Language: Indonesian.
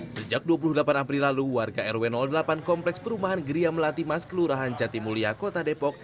sejak dua puluh delapan april lalu warga rw delapan kompleks perumahan geria melati mas kelurahan jatimulia kota depok